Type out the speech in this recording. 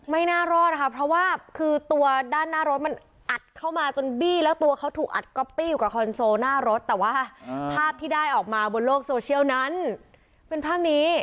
ไม่น่ารอดนะคะเพราะว่าคือตัวด้านหน้ารถมันอัดเข้ามาจนบี้แล้วตัวเขาถูกอัดก๊อปปี้อยู่กับคอนโซลหน้ารถแต่ว่าภาพที่ได้ออกมาบนโลกโซเชียลนั้นเป็นภาพนี้